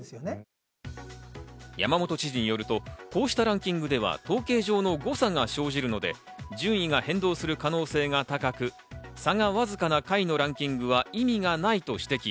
山本知事によると、こうしたランキングでは統計上の誤差が生じるので、順位が変動する可能性が高く、差がわずかな下位のランキングは意味がないと指摘。